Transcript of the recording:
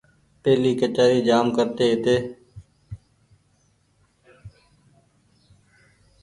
پيهلي ڪچآري جآم ڪرتي هيتي۔